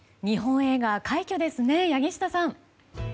日本映画が快挙ですね柳下さん。